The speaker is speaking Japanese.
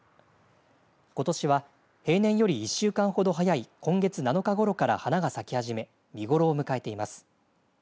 ことしは平年より１週間ほど早い今月７日ごろから花が咲き始め見頃を迎えています。